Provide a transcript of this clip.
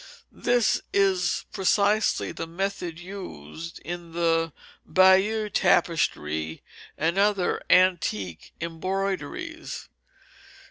This is precisely the method used in the Bayeux Tapestry and other antique embroideries.